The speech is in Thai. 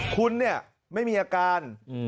คุณเนี่ยไม่มีอาการ